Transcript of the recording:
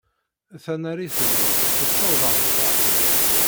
Tanarit-nni teccuṛ d aɣebbar.